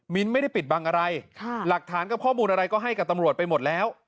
ไม่ได้ปิดบังอะไรหลักฐานกับข้อมูลอะไรก็ให้กับตำรวจไปหมดแล้ว